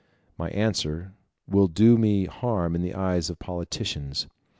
My answer will do me harm in the eyes of politicians.